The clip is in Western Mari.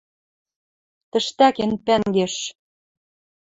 тӹштӓкен пӓнгеш...